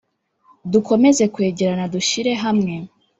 dukomeze kwegerana dushyire hamwe